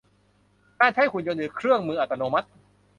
การใช้หุ่นยนต์หรือเครื่องมืออัตโนมัติ